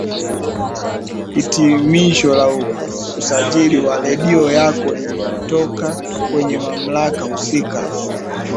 hitimisho la usajiri wa redio yako linatoka kwenye mamlaka husika